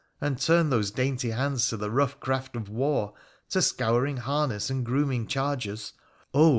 And turn those dainty hands to the rough craft of war, to scouring harness and grooming chargers — oh